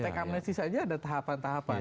tekamnisi saja ada tahapan tahapan